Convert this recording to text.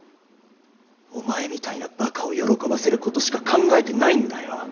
お前みたいなばかを喜ばせることしか考えてないんだよ。